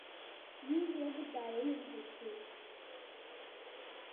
Luisa would die in infancy.